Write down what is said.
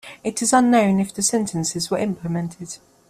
It is unknown if the sentences were implemented.